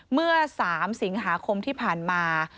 เมื่อ๓สิงหาคมที่ผ่านมา